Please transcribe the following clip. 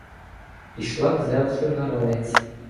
Пішла к Зевесу на ралець.